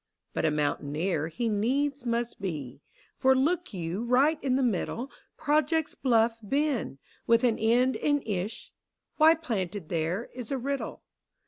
But a mountaineer he needs must be, For, look you, right in the middle Projects bluff Ben — with an end in ich — Why planted there, is a riddle : DONALD.